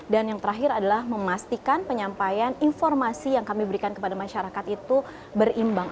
yang terakhir adalah memastikan penyampaian informasi yang kami berikan kepada masyarakat itu berimbang